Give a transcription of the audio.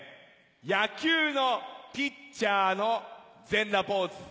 野球のピッチャーの全裸ポーズ。